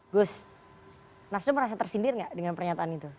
gus nasno merasa tersindir gak dengan pernyataan itu